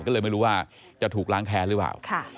ก็เลยไม่รู้ว่าจะถูกล้างแค้นหรือเปล่า